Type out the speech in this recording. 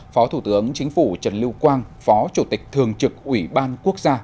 phó thủ tướng chính phủ trần lưu quang phó chủ tịch thường trực ủy ban quốc gia